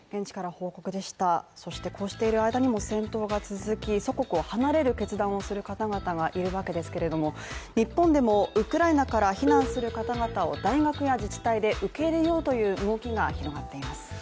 こうしている間にも戦闘が続き祖国を離れる決断をされる方々がいるわけですが日本でもウクライナから避難する方々を大学や自治体で受け入れようという動きが広がっています。